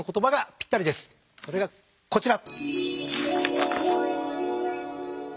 それがこちら。